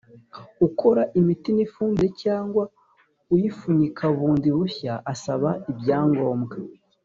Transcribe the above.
Ukora imiti n’ifumbire cyangwa uyipfunyika bundi bushya asaba ibyangombwa